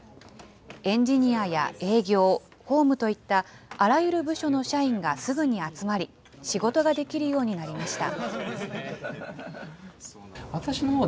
エンジニアや営業、法務といったあらゆる部署の社員がすぐに集まり、仕事ができるようになりました。